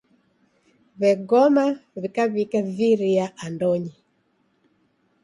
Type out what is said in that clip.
W'egoma w'ikaw'ika viria andonyi.